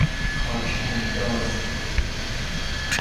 خاک انداز